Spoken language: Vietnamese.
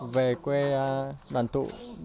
về quê đoàn tụ